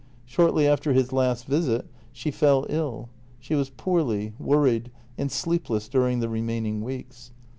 Shortly after his last visit she fell ill. She was poorly, worried, and sleepless during the remaining weeks.